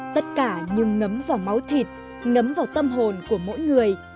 tất cả nhưng ngấm vào máu thịt ngấm vào tâm hồn của mỗi người